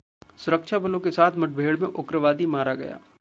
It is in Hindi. सुरक्षा बलों के साथ मुठभेड में उग्रवादी मारा गया